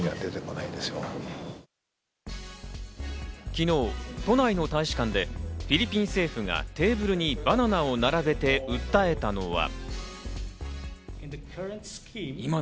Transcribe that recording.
昨日、都内の大使館でフィリピン政府がテーブルにバナナを並べて訴えたのは。